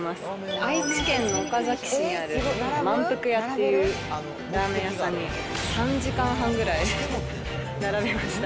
愛知県の岡崎市にあるまんぷく家っていうラーメン屋さんに３時間半ぐらい並びました。